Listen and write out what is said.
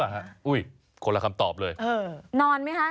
มีแต่พวกนี้ต้องเลือกนะครับ